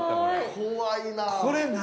怖いな。